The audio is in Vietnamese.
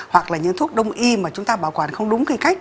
hoặc là những thuốc đông y mà chúng ta bảo quản không đúng cái cách